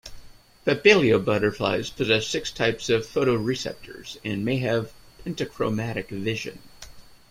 Papilio butterflies possess six types of photoreceptors and may have pentachromatic vision.